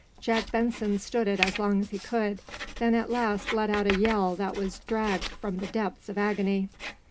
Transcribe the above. Jack Benson stood it as long as he could, then at last let out a yell that was dragged from the depths of agony.